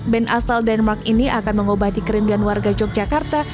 band asal denmark ini akan mengobati kerinduan warga yogyakarta